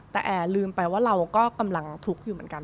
แต่แอร์ลืมไปว่าเราก็กำลังทุกข์อยู่เหมือนกัน